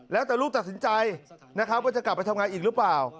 แล้วแต่ลูกตัดสินใจนะครับว่าจะกลับไปทำงานอีกหรือเปล่า